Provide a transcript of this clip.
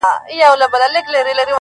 يو زرو اوه واري مي ښكل كړلې_